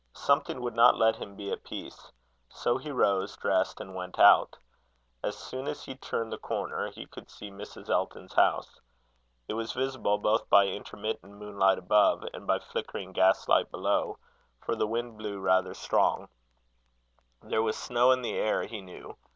Something would not let him be at peace. So he rose, dressed, and went out. As soon as he turned the corner, he could see Mrs. Elton's house. It was visible both by intermittent moonlight above, and by flickering gaslight below, for the wind blew rather strong. There was snow in the air, he knew.